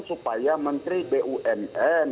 supaya menteri bunn